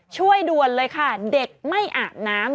ช่วยด่วนเลยค่ะเด็กไม่อาบน้ำ